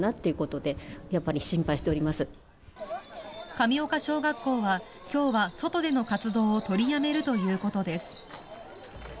神岡小学校は今日は外での活動を取りやめるということです。